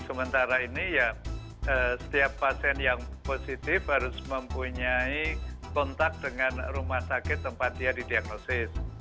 sementara ini ya setiap pasien yang positif harus mempunyai kontak dengan rumah sakit tempat dia didiagnosis